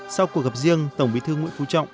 sau cuộc gặp riêng tổng bí thư nguyễn phú trọng